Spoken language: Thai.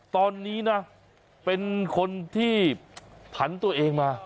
ตอนนี้นะเป็นคนที่ผันตัวเองมา